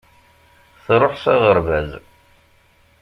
Truḥ s aɣerbaz.